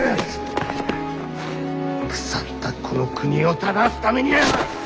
腐ったこの国を正すために！